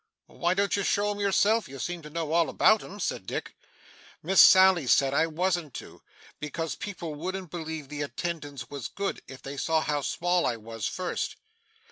'Why don't you show 'em yourself? You seem to know all about 'em,' said Dick. 'Miss Sally said I wasn't to, because people wouldn't believe the attendance was good if they saw how small I was first.